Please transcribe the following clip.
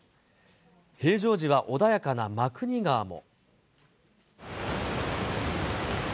平常時は穏やかな真国川も。